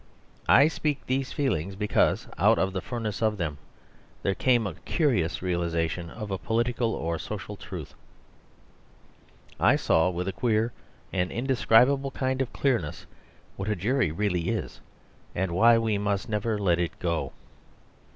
I speak these feelings because out of the furnace of them there came a curious realisation of a political or social truth. I saw with a queer and indescribable kind of clearness what a jury really is, and why we must never let it go.